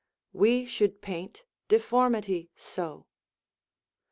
We should paint deformity so.